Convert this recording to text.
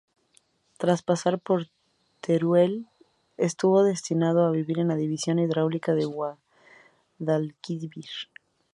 Tras pasar por Teruel, estuvo destinado en la División Hidráulica del Guadalquivir.